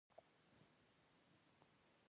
پکورې د کور د خوږو بویونه دي